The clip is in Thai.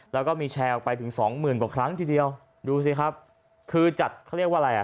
แล้วก็มีแชร์ออกไปถึงสองหมื่นกว่าครั้งทีเดียวดูสิครับคือจัดเขาเรียกว่าอะไรอ่ะ